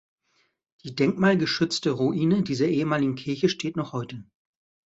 Die denkmalgeschützte Ruine dieser ehemaligen Kirche steht noch heute.